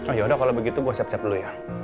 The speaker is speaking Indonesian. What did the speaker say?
oh ya udah kalau begitu gue siap siap lu ya